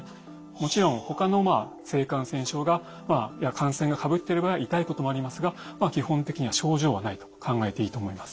もちろんほかの性感染症や感染がかぶっている場合は痛いこともありますが基本的には症状はないと考えていいと思います。